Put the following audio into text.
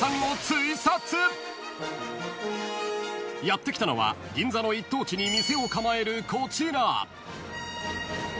［やって来たのは銀座の一等地に店を構えるこちら］